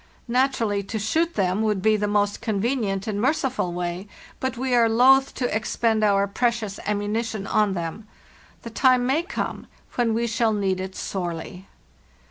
Naturally, to shoot them would be the most convenient and merciful way, but we are loath to expend our precious ammunition on them; the time may come when we shall need it sorely.